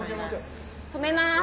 止めます！